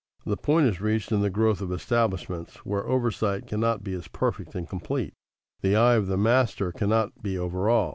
The point is reached in the growth of establishments where oversight cannot be as perfect and complete; the eye of the master cannot be over all.